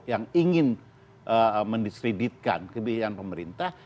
yang ingin mendiskreditkan kebijakan pemerintah